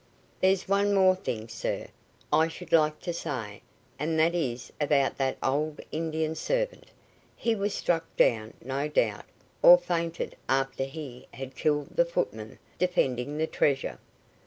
"There's one more thing, sir, I should like to say, and that is about that old Indian servant. He was struck down, no doubt, or fainted after he had killed the footman, defending the treasure.